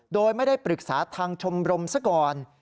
โดยไม่ได้ปรึกษาทางชมรมซะก่อน